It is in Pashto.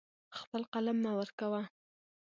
خپل قلم مه ورکوه.